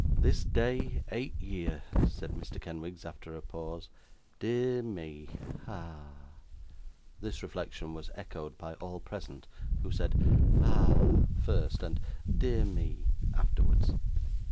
'This day eight year,' said Mr. Kenwigs after a pause. 'Dear me ah!' This reflection was echoed by all present, who said 'Ah!' first, and 'dear me,' afterwards.